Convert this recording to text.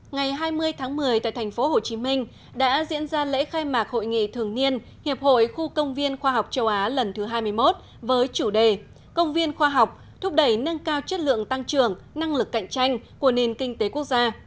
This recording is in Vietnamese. ngày hai mươi tháng một mươi tại tp hcm đã diễn ra lễ khai mạc hội nghị thường niên hiệp hội khu công viên khoa học châu á lần thứ hai mươi một với chủ đề công viên khoa học thúc đẩy nâng cao chất lượng tăng trưởng năng lực cạnh tranh của nền kinh tế quốc gia